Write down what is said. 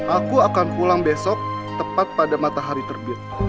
aku akan pulang besok tepat pada matahari terbit